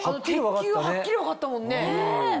鉄球はっきり分かったもんね。